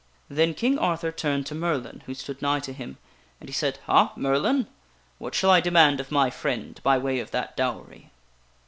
Then King Arthur turned to Merlin, who stood nigh to him, and he said :" Ha, Merlin ! What shall I demand of my friend by way of that dowery